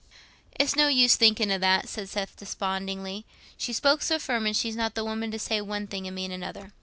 "It's no use thinking o' that," said Seth, despondingly. "She spoke so firm, and she's not the woman to say one thing and mean another."